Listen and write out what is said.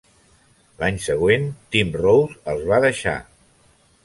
L’any següent Tim Rose els va deixar.